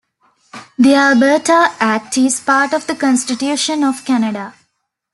The Alberta Act is part of the Constitution of Canada.